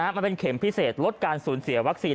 มันเป็นเข็มพิเศษลดการสูญเสียวัคซีน